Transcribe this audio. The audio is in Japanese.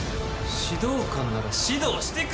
「指導官なら指導してください！」